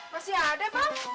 masih ada bang